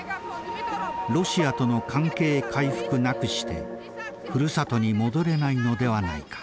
「ロシアとの関係回復なくしてふるさとに戻れないのではないか」。